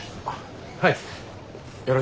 はい。